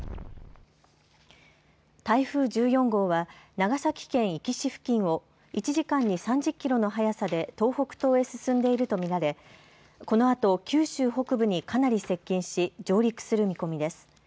台風１４号は長崎県壱岐市付近を１時間に３０キロの速さで東北東へ進んでいると見られこのあと九州北部にかなり接近し上陸する見込みです。